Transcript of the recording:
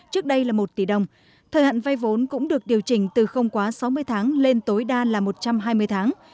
trước đây là một tỷ đồng thời hạn vay vốn cũng được điều chỉnh từ không quá sáu mươi tháng lên tối đa là một trăm hai mươi tháng